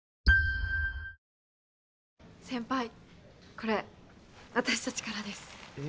これ私たちからです。え。